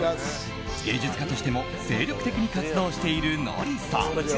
芸術家としても精力的に活動しているノリさん。